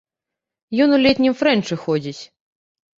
Ён у летнім фрэнчы ходзіць.